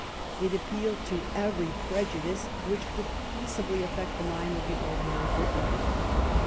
It ap pealed to every prejudice which could possibly affect the mind of the ordinary Briton.